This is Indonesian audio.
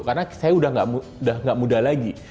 karena saya sudah tidak muda lagi